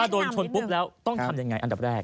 โดนชนปุ๊บแล้วต้องทำยังไงอันดับแรก